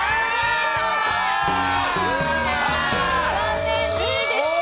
残念、２位でした。